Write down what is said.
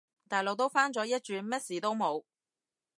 大陸都返咗一轉，乜事都冇